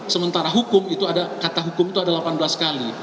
sementara hukum itu ada kata hukum itu ada delapan belas kali